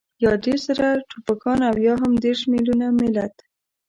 يا دېرش زره ټوپکيان او يا هم دېرش مېليونه ملت.